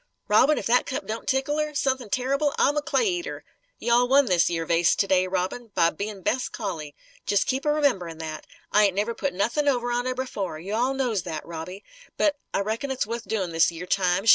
Robin, if that cup don't tickle her, suthin' terrible, I'm a clay eater! You all won this yer vase, to day, Robin; by bein' 'best collie.' Jes' keep a rememberin' that. I ain't never put nothin' over on her, b'fore. You all knows that, Robbie. But I reckon it's wuth doin', this yer time.